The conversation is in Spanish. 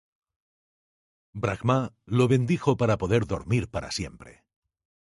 Brahmá lo bendijo de poder dormir para siempre.